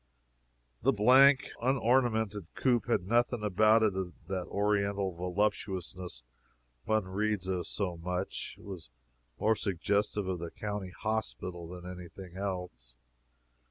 The blank, unornamented coop had nothing about it of that oriental voluptuousness one reads of so much. It was more suggestive of the county hospital than any thing else.